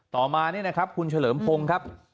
ต่อมานี่นะครับคุณเฉลิมพงศ์ครับ